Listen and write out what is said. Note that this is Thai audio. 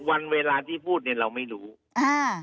วันเวลาที่พูดเนี่ยเราไม่รู้อ่า